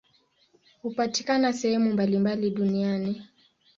Hupatikana sehemu mbalimbali duniani.